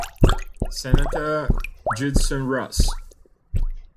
Senator Judson Ross.